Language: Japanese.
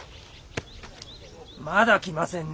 まだ来ませんね